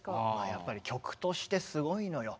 やっぱり曲としてすごいのよ。